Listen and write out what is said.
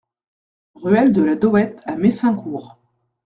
Ruelle de la Dohette à Messincourt